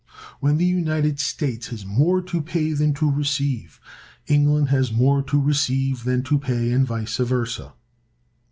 When the United States has more to pay than to receive, England has more to receive than to pay, and vice versa.